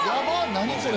何これ。